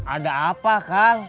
ada apa kal